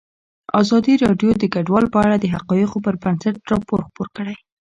ازادي راډیو د کډوال په اړه د حقایقو پر بنسټ راپور خپور کړی.